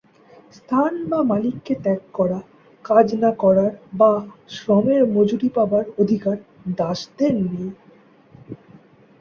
স্থান বা মালিককে ত্যাগ করা, কাজ না করার বা শ্রমের মজুরি পাবার অধিকার দাসদের নেই।